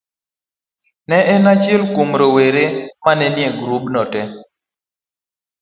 Ne en achiel kuom rowere ma ne nie grubno te.